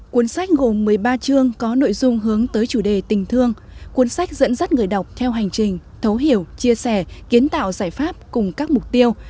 cuốn sách gồm một mươi ba chương có nội dung hướng tới chủ đề tình thương cuốn sách dẫn dắt người đọc theo hành trình thấu hiểu chia sẻ kiến tạo giải pháp cùng các mục tiêu